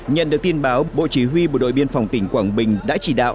nhận được tin báo bộ chỉ huy bộ đội biên phòng tỉnh quảng bình đã chỉ đạo